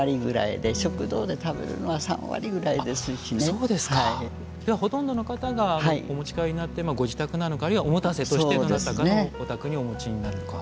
ではほとんどの方がお持ち帰りになってご自宅なのかあるいはおもたせとしてどなたかのお宅にお持ちになるか。